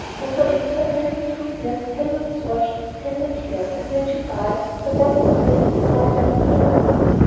Over it for twenty two years Heloise watched with tender care; and when she died, her body was laid beside that of her lover.